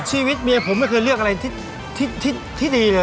ชีวิตเมียผมไม่เคยเลือกอะไรที่ดีเลย